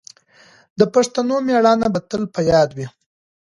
د پښتنو مېړانه به تل په یاد وي.